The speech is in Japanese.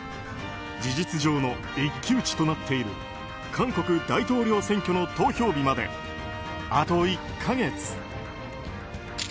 事実上の一騎打ちとなっている韓国大統領選挙の投票日まであと１か月。